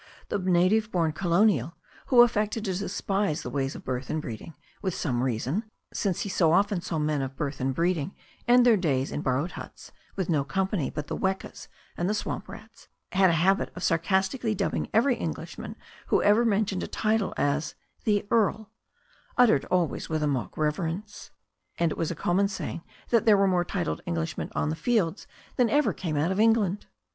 The native born colonial, who affected to despise the ways of birth and breeding — with some reason, since he so often saw men of birth and breeding end their days in borrowed huts with no company but the wekas and the swamp rats — had a habit of sarcastically dubbing every Englishman who ever mentioned a title as "The Earl," uttered always with mock reverence. And it was a common saying that there were more titled Englishmen on the fields than ever came out of England.